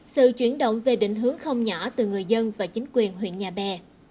sự chuyển động về định hướng không nhỏ từ người dân và chính quyền huyện nhà bè